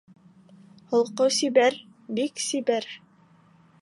Холҡо сибәр бик сибәр.